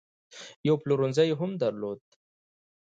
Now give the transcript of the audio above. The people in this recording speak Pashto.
یو پلورنځی یې هم درلود.